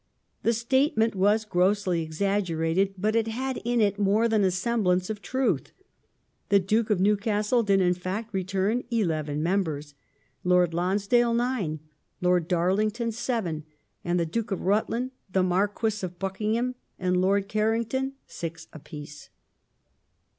The statement was grossly exaggerated, but it had in it more than a semblance of truth. The Duke of New castle did in fact return eleven members, Lord Lonsdale nine. Lord Darlington seven, and the Duke of Rutland, the Marquis of Buckingham, and Lord Carrington six apiece.